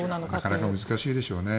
なかなか難しいでしょうね。